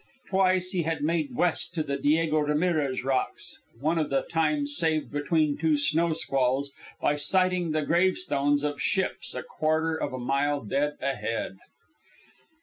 Twice he had made west to the Diego Ramirez Rocks, one of the times saved between two snow squalls by sighting the gravestones of ships a quarter of a mile dead ahead.